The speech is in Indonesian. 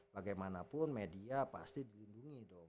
bagaimanapun media pasti diundungi dong